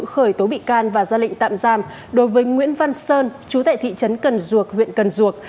khởi tố bị can và ra lệnh tạm giam đối với nguyễn văn sơn chú tại thị trấn cần duộc huyện cần duộc